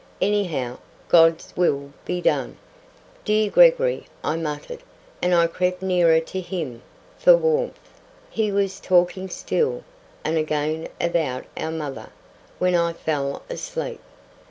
Anyhow, God's will be done." "Dear Gregory," I muttered, and crept nearer to him for warmth. He was talking still, and again about our mother, when I fell asleep.